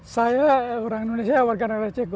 saya orang indonesia warga negara ceko